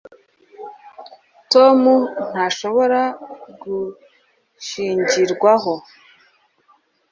tom ntashobora gushingirwaho